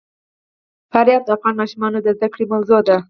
فاریاب د افغان ماشومانو د زده کړې موضوع ده.